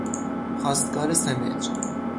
خواستگار سمج